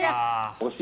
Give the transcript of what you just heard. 惜しい。